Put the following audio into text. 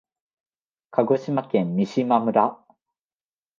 鹿児島県三島村